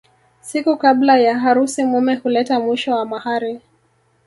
Siku kabla ya harusi mume huleta mwisho wa mahari